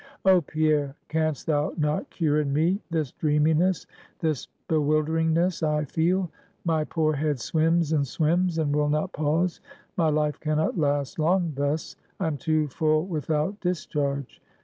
"Oh, Pierre, can'st thou not cure in me this dreaminess, this bewilderingness I feel? My poor head swims and swims, and will not pause. My life can not last long thus; I am too full without discharge.